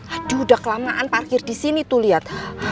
aduh udah kelamaan parkir di sini tuh lihat